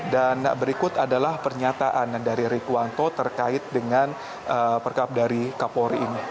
dan berikut adalah pernyataan dari rikwanto terkait dengan perkab dari kapolri ini